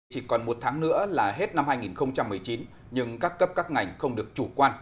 chỉ còn một tháng nữa là hết năm hai nghìn một mươi chín nhưng các cấp các ngành không được chủ quan